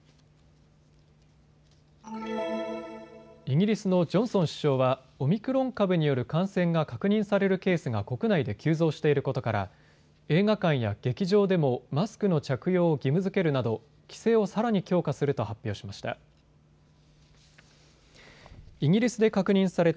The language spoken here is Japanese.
イギリスのジョンソン首相はオミクロン株による感染が確認されるケースが国内で急増していることから映画館や劇場でもマスクの着用を義務づけるなど規制をさらに強化すると発表しました。